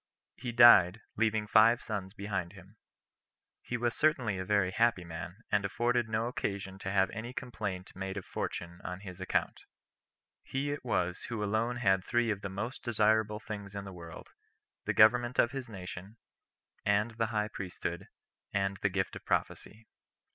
He died, leaving five sons behind him. He was certainly a very happy man, and afforded no occasion to have any complaint made of fortune on his account. He it was who alone had three of the most desirable things in the world, the government of his nation, and the high priesthood, and the gift of prophecy.